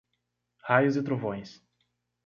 Raios e trovões